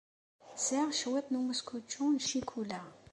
Sɛiɣ cwiṭ n umeskučču n ccikula.